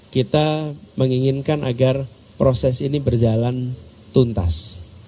kita menginginkan agar proses ini berjalan tuntas